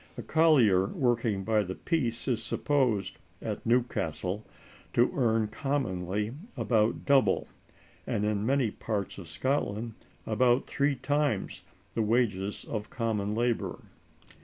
A collier working by the piece is supposed, at Newcastle, to earn commonly about double, and in many parts of Scotland about three times, the wages of common labor.